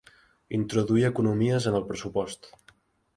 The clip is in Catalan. Introduir economies en el pressupost.